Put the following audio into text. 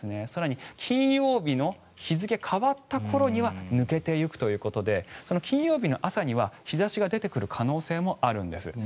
更に金曜日の日付が変わった頃には抜けていくということで金曜日の朝には日差しが出てくる可能性もあるんです。